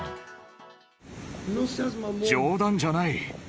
冗談じゃない。